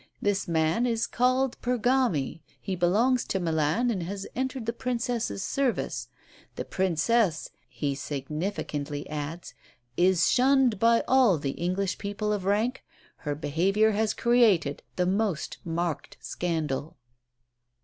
This man is called Pergami; he belongs to Milan, and has entered the Princess's service. The Princess," he significantly adds, "is shunned by all the English people of rank; her behaviour has created the most marked scandal."